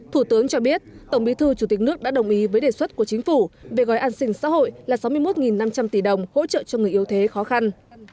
thủ tướng cho biết tổng bí thư chủ tịch nước đã đồng ý với đề xuất của chính phủ về gói an sinh xã hội là sáu mươi một năm trăm linh tỷ đồng hỗ trợ cho người yếu thế khó khăn